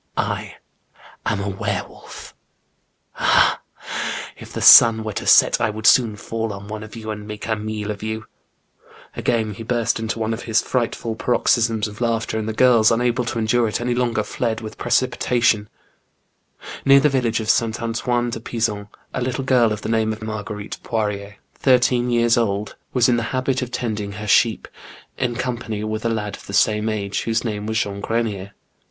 I am a were wolf ! Ah, ha ! if the sun were to set I wpuld soon fall on one of you and make a meal of you !*' Again he burst into one of his frightful paroxysms of laughter, and the girls unable to endure it any longer, fled with precipitation. Near the village of S. Antoine de Pizon, a little girl of the name of Marguerite Poirier, thirteen years old. 90 THE BOOK OF WBRE WOLVES. was in the habit of tending her sheep, in company with a lad of the same age, whose name was Jean Grenier.